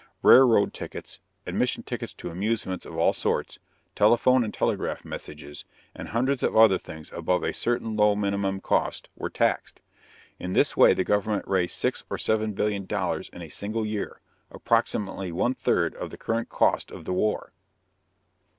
Railroad tickets, admission tickets to amusements of all sorts, telephone and telegraph messages, and hundreds of other things above a certain low minimum cost were taxed. In this way the government raised six or seven billion dollars in a single year, approximately one third of the current cost of the war.